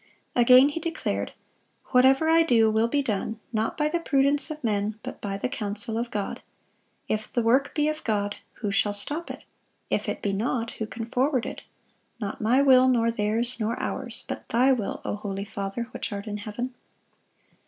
Again he declared: "Whatever I do will be done, not by the prudence of men, but by the counsel of God. If the work be of God, who shall stop it? if it be not, who can forward it? Not my will, nor theirs, nor ours; but Thy will, O holy Father, which art in heaven."